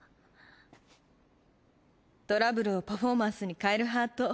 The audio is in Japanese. トラブルをパフォーマンスに変えるハート